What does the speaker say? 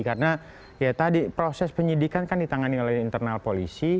karena ya tadi proses penyidikan kan ditangani oleh internal polisi